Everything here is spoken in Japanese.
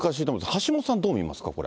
橋下さん、どう見ますか、これ。